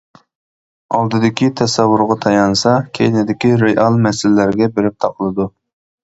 ئالدىدىكى تەسەۋۋۇرغا تايانسا، كەينىدىكى رېئال مەسىلىلەرگە بېرىپ تاقىلىدۇ.